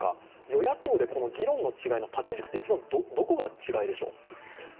与野党で議論の違いの縦軸ってどこが違いでしょう？